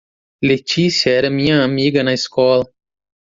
Letícia era minha amiga na escola.